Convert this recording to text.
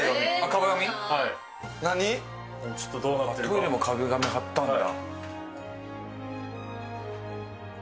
トイレも壁紙貼ったんだ。